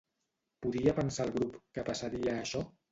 Podia pensar el grup que passaria això?